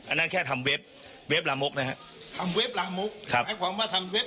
อันนั้นแค่ทำเว็บเวฟลามกนะฮะทำเว็บลามกครับหมายความว่าทำเว็บ